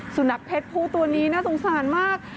สุนัขเพศผู้ตัวนี้น่าสงสารมาก